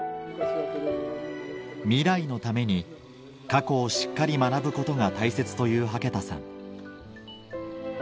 未来のために過去をしっかり学ぶことが大切という羽毛田さん